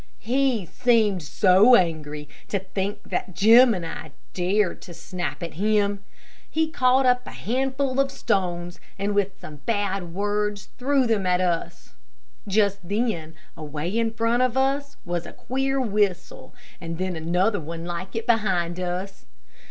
He seemed so angry to think that Jim and I dared to snap at him. He caught up a handful of stones, and with some bad words threw them at us. Just then, away in front of us, was a queer whistle, and then another one like it behind us.